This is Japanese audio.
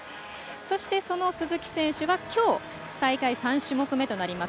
そして、その鈴木選手はきょう大会３種目めとなります